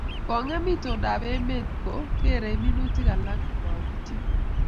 kengem itondo ab emet ko kerei minutik alak ko mapityo